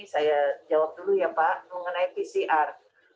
saya jawab dulu ya pak mengenai pcr